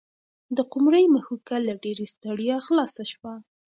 د قمرۍ مښوکه له ډېرې ستړیا خلاصه شوه.